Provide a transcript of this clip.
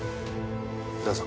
どうぞ。